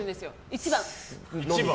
１番。